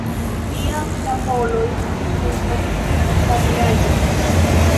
Tiam la poloj senhomigis la vilaĝon.